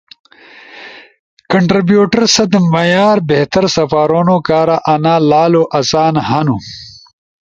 کنٹربیوٹر ست معیار بہتر سپارونو کارا، انا لالو آسان ہنو۔